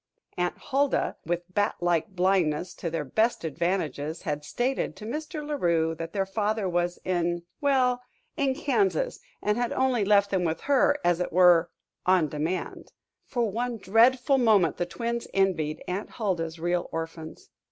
Aunt Huldah, with bat like blindness to their best advantages, had stated to Mr. La Rue that their father was in well in Kansas, and had only left them with her, as it were, "on demand." For one dreadful moment the twins envied Aunt Huldah's real orphans.